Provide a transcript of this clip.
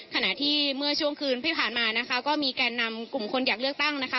ขณะที่เมื่อช่วงคืนที่ผ่านมานะคะก็มีแก่นำกลุ่มคนอยากเลือกตั้งนะคะ